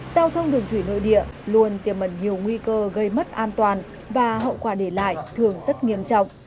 giao thông đường thủy nội địa luôn tiềm mẩn nhiều nguy cơ gây mất an toàn và hậu quả để lại thường rất nghiêm trọng